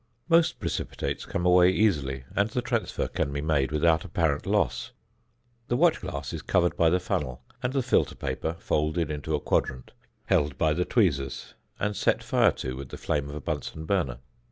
Most precipitates come away easily, and the transfer can be made without apparent loss. The watch glass is covered by the funnel, and the filter paper (folded into a quadrant) held by the tweezers and set fire to with the flame of a Bunsen burner.